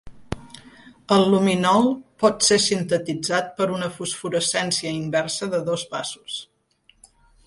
El luminol pot ser sintetitzat per una fosforescència inversa de dos passos.